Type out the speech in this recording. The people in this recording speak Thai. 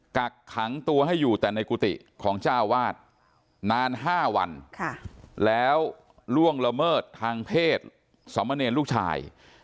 กักขังตัวให้อยู่แต่ในกุฏิของเจ้าวาดนาน๕วันแล้วล่วงละเมิดทางเพศสมเนรลูกชาย